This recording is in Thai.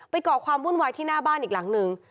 ก่อความวุ่นวายที่หน้าบ้านอีกหลังนึง